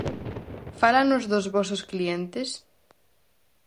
Fálanos dos vosos clientes?